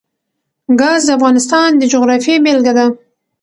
ګاز د افغانستان د جغرافیې بېلګه ده.